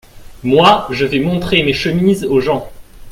Moi, je vais montrer mes chemises aux gens !